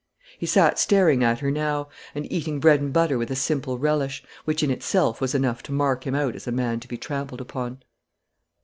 He sat staring at her now, and eating bread and butter with a simple relish, which in itself was enough to mark him out as a man to be trampled upon.